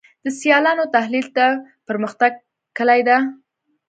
د سیالانو تحلیل د پرمختګ کلي ده.